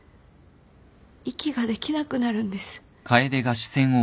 息ができなくなるんです。